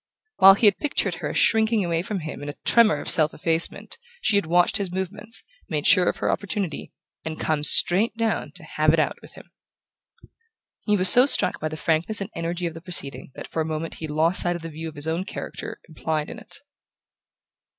While he had pictured her as shrinking away from him in a tremor of self effacement she had watched his movements, made sure of her opportunity, and come straight down to "have it out" with him. He was so struck by the frankness and energy of the proceeding that for a moment he lost sight of the view of his own character implied in it.